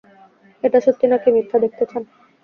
এটা সত্যি নাকি মিথ্যা, দেখতে চান?